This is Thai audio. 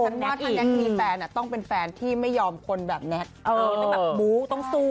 พี่สังว่าถ้ายังมีแฟนต้องเป็นแฟนที่ไม่ยอมคนแบบแน็กแบบบู๊ต้องสู้